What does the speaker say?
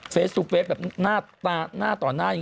ฟาสต์แบบหน้าต่อหน้าอย่างนี้